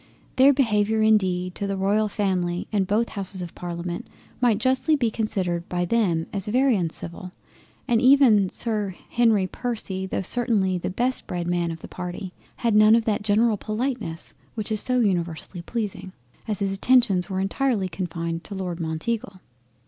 Their Behaviour indeed to the Royal Family and both Houses of Parliament might justly be considered by them as very uncivil, and even Sir Henry Percy tho' certainly the best bred man of the party, had none of that general politeness which is so universally pleasing, as his attentions were entirely confined to Lord Mounteagle.